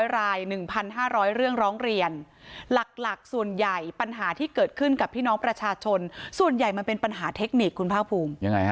ราย๑๕๐๐เรื่องร้องเรียนหลักส่วนใหญ่ปัญหาที่เกิดขึ้นกับพี่น้องประชาชนส่วนใหญ่มันเป็นปัญหาเทคนิคคุณภาคภูมิ